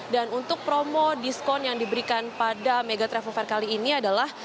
dan untuk promo diskon yang diberikan pada mega travel fair kali ini adalah